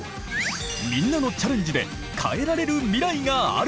みんなのチャレンジで変えられる未来がある！